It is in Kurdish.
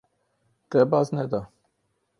Te baz neda.